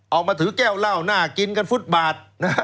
ออกมาถือแก้วเหล้าน่ากินกันฟุตบาท